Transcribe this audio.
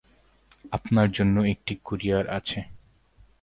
আপনার জন্য একটা কুরিয়ার আছে।